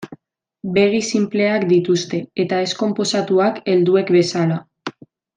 Begi sinpleak dituzte, eta ez konposatuak helduek bezala.